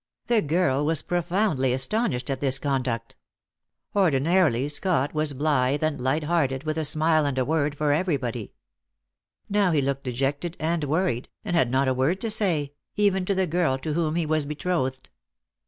The girl was profoundly astonished at this conduct. Ordinarily Scott was blithe and light hearted, with a smile and a word for everybody. Now he looked dejected and worried, and had not a word to say, even to the girl to whom he was betrothed.